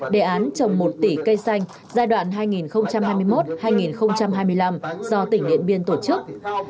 đề án trồng một tỷ cây xanh giai đoạn hai nghìn hai mươi một hai nghìn hai mươi năm do tỉnh điện biên tổ chức